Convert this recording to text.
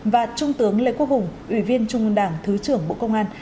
và trung tướng lê quốc hùng ủy viên trung ương đảng thứ trưởng bộ công an